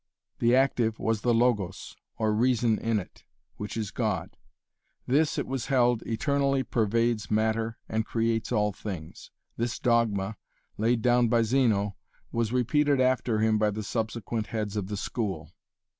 The active was the Logos, or reason in it, which is God. This, it was held, eternally pervades matter and creates all things. This dogma, laid down by Zeno, was repeated after him by the subsequent heads of the school.